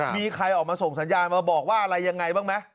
มีใครออกมาส่งสัญญาณมาบอกว่าอะไรยังไงบ้างไหม